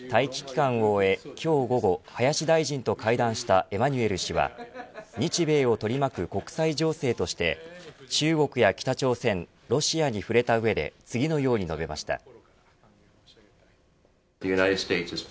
待機期間を終え、今日午後林大臣と会談したエマニュエル氏は日米をとりまく国際情勢として中国や北朝鮮ロシアに触れた上で次のように述べました。